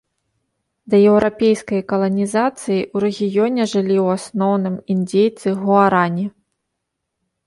Да еўрапейскай каланізацыі ў рэгіёне жылі ў асноўным індзейцы гуарані.